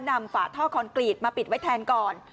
ฝาท่อคอนกรีตมาปิดไว้แทนก่อน